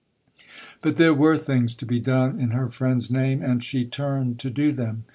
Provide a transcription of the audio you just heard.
But there were things to be done in her friend's name, and she turned to do them.